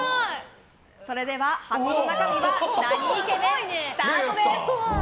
それでは箱の中身はなにイケメン？スタートです。